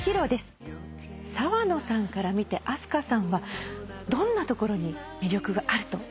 澤野さんから見てＡＳＫＡさんはどんなところに魅力があると？